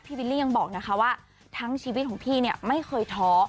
วิลลี่ยังบอกนะคะว่าทั้งชีวิตของพี่เนี่ยไม่เคยท้อ